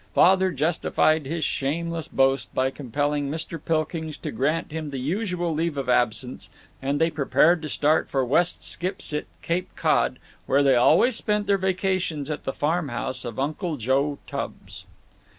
Father justified his shameless boast by compelling Mr. Pilkings to grant him the usual leave of absence, and they prepared to start for West Skipsit, Cape Cod, where they always spent their vacations at the farm house of Uncle Joe Tubbs.